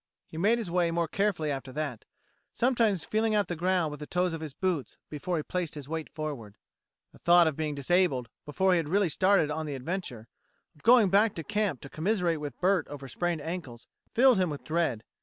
He made his way more carefully after that, sometimes feeling out the ground with the toes of his boots before he placed his weight forward. The thought of being disabled before he had really started on the adventure, of going back to camp to commiserate with Bert over sprained ankles, filled him with dread.